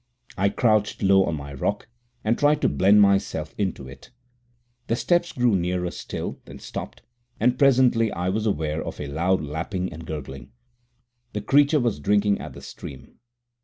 I crouched low on my rock and tried to blend myself into it. The steps grew nearer still, then stopped, and presently I was aware of a loud lapping and gurgling. The creature was drinking at the stream.